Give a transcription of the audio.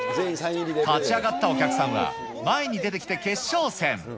勝ち上がったお客さんは前に出てきて決勝戦。